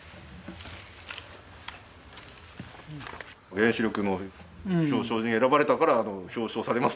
原子力の表彰に選ばれたから表彰されますということで。